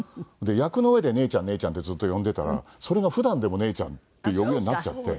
役の上で「姉ちゃん姉ちゃん」ってずっと呼んでたらそれが普段でも「姉ちゃん」って呼ぶようになっちゃって。